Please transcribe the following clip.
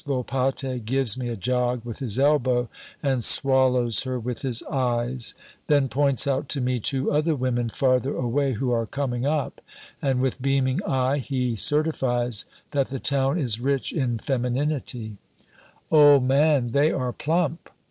Volpatte gives me a jog with his elbow and swallows her with his eyes, then points out to me two other women farther away who are coming up, and with beaming eye he certifies that the town is rich in femininity "Old man, they are plump!"